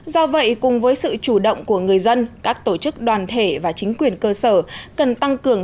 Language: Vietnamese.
do vậy cùng với sự chủ động của người dân các tổ chức đoàn thể và chính quyền cơ sở cần tăng cường